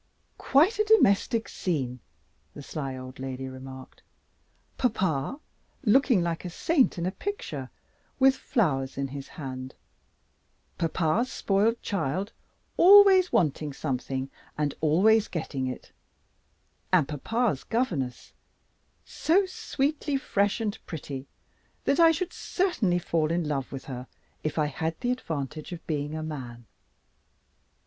"Quite a domestic scene!" the sly old lady remarked. "Papa, looking like a saint in a picture, with flowers in his hand. Papa's spoiled child always wanting something, and always getting it. And papa's governess, so sweetly fresh and pretty that I should certainly fall in love with her, if I had the advantage of being a man.